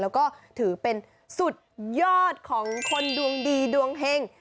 แล้วก็ถือเป็นสุดยอดของคนดวงดีดวงเฮง